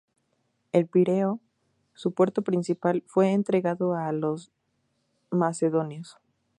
El Pireo, su puerto principal, fue entregado a los macedonios.